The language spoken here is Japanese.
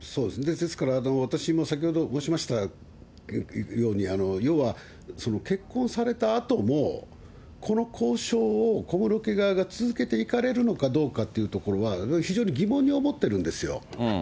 ですから、私も先ほど申しましたように、要は結婚されたあとも、この交渉を小室家側が続けていかれるのかどうかというところが、非常に疑問に思ってるんですよ。